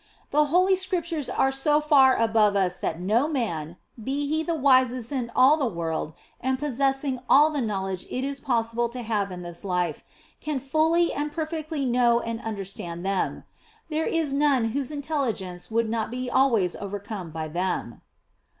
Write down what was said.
The Holy Scriptures are so far above us that no man be he the wisest in all the world and possessing all the knowledge it is possible to have in this life can fully and perfectly know and understand them ; there is none whose intelligence would not be always overcome by them.